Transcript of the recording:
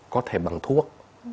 có thể bằng thuốc